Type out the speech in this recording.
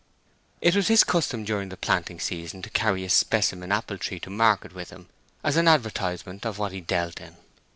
It was his custom during the planting season to carry a specimen apple tree to market with him as an advertisement of what he dealt in.